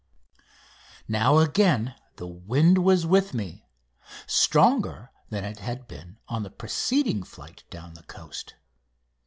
Now again the wind was with me, stronger than it had been on the preceding flight down the coast.